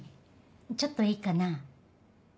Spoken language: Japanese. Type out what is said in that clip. ちょっといいかな。